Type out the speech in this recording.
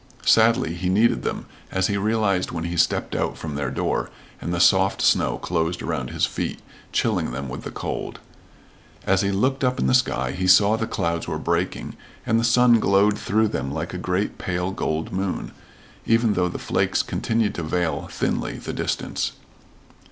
Sadly he needed them, as he realized when he stepped out from their door, and the soft snow closed around his feet, chilling them with the cold. As he looked up in the sky he saw the clouds were breaking, and the sun glowed through them like a great pale gold moon, even though the flakes continued to veil thinly the distance.